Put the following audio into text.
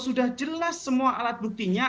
sudah jelas semua alat buktinya